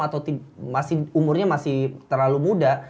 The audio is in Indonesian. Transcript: atau umurnya masih terlalu muda